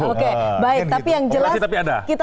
oke baik tapi yang jelas kita